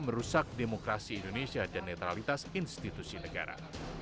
merusak demokrasi indonesia dan netralitas institusi negara